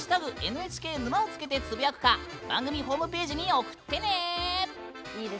「＃ＮＨＫ沼」をつけてつぶやくか番組ホームページに送ってね！